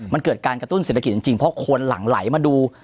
มันเกิดการกระตุ้นเศรษฐกิจจริงเพราะคนหลั่งไหลมาดู